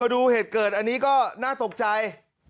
ดูเหตุเกิดอันนี้ก็น่าตกใจ